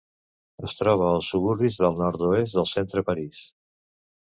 Es troba als suburbis del nord-oest del centre París.